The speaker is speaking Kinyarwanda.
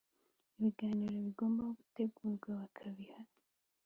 Ibiganiro bagomba gutegurwa bakabiha